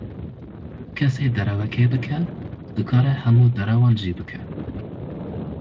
Kesê derewekê bike, dikare hemû derewan jî bike.